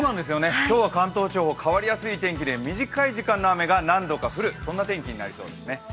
今日は関東地方、変わりやすい天気で短い時間の雨が何度か降る、そんな天気になりそうですね。